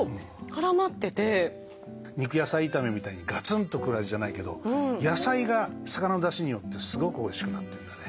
肉野菜炒めみたいにガツンと来る味じゃないけど野菜が魚の出汁によってすごくおいしくなってるんだね。